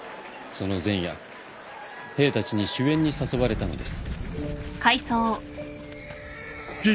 その前夜兵たちに酒宴に誘われたのです。